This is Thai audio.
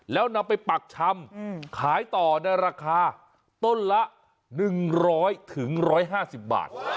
แล้วนำไปปักชำขายต่อในราคาต้นละ๑๐๐๑๕๐บาท